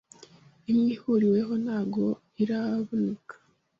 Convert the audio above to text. imwe ihuriweho ntago iraobnuka